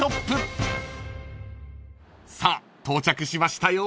［さあ到着しましたよ］